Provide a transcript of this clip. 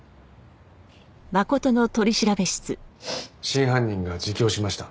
真犯人が自供しました。